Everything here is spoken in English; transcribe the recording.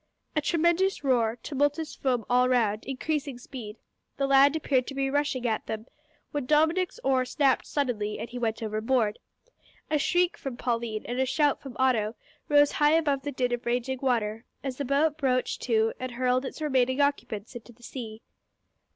A tremendous roar, tumultuous foam all round, increasing speed! The land appeared to be rushing at them, when Dominick's oar snapped suddenly, and he went overboard. A shriek from Pauline and a shout from Otto rose high above the din of raging water, as the boat broached to and hurled its remaining occupants into the sea.